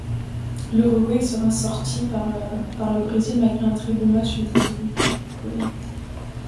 L'Uruguay sera sortie par le Brésil malgré un très bon match des Uruguayens.